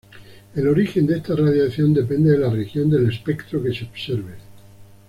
El origen de esta radiación depende de la región del espectro que se observe.